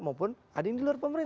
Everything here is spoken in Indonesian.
maupun ada yang di luar pemerintah